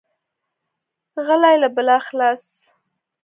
غلی، له بلا خلاص.